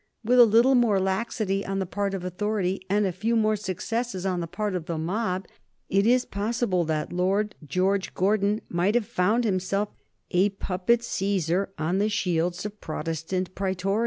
With a little more laxity on the part of authority, and a few more successes on the part of the mob, it is possible that Lord George Gordon might have found himself a puppet Caesar on the shields of Protestant Praetorians.